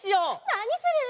なにする？